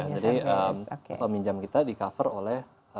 jadi peminjam kita di cover oleh